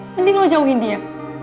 mending lo jauhin dia